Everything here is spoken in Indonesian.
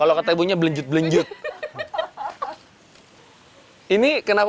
oh udah cukup cukup